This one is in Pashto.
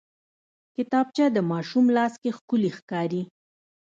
کتابچه د ماشوم لاس کې ښکلي ښکاري